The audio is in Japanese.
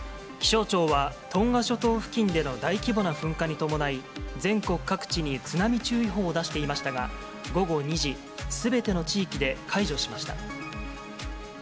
気象庁は、トンガ諸島付近での大規模な噴火に伴い、全国各地に津波注意報を出していましたが、午後２時、すべての地域で解除しました。